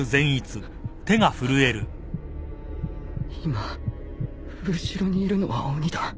今後ろにいるのは鬼だ